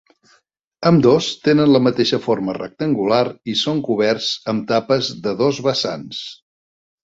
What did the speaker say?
Ambdós tenen la mateixa forma rectangular i són coberts amb tapes de dos vessants.